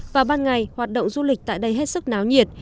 và ban ngày hoạt động du lịch tại đây hết sức náo nhiệt